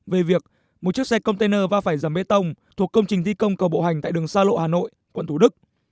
về việc một chiếc xe container va phải dầm bê tông thuộc công trình thi công cầu bộ hành tại đường sa lộ hà nội quận thủ đức